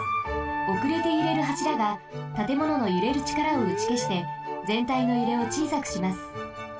おくれてゆれるはしらがたてもののゆれるちからをうちけしてぜんたいのゆれをちいさくします。